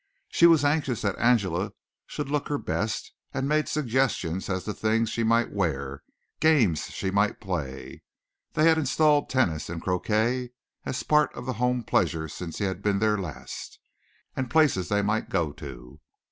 She was anxious that Angela should look her best, and made suggestions as to things she might wear, games she might play (they had installed tennis and croquet as part of the home pleasures since he had been there last) and places they might go to.